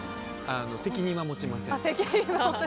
責任は持ちません。